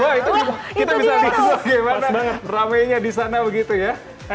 wah itu bisa kita lihat bagaimana ramainya di sana begitu ya